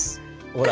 ほら。